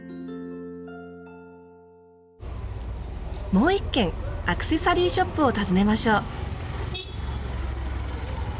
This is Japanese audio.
もう一軒アクセサリーショップを訪ねましょう。